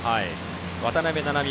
渡邊菜々美